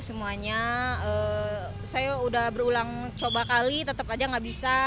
semuanya saya sudah berulang coba kali tetap saja tidak bisa